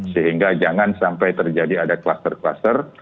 sehingga jangan sampai terjadi ada cluster cluster